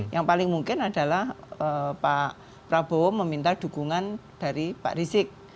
yang paling mungkin adalah pak prabowo meminta dukungan dari pak rizik